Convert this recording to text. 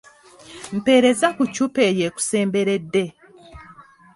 Mpeereza ku ccupa eyo ekusemberedde.